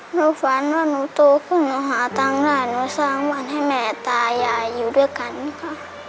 หนูฝันว่าหนูโตขึ้นหนูหาตังค์ได้หนูสร้างบ้านให้แม่ตายายอยู่ด้วยกันค่ะ